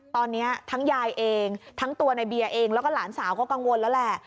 ตอนนี้ทั้งยายเองทั้งตัวในเบียร์เองแล้วก็หลานสาวก็กังวลแล้วแหละ